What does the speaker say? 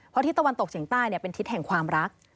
เพราะทิศตะวันตกเฉียงใต้เป็นทิศแห่งความรัก